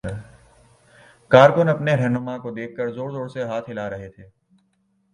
کارکن اپنے راہنما کو دیکھ کر زور زور سے ہاتھ ہلا رہے تھے۔